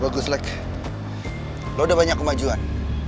bagus lek lo udah banyak kemajuan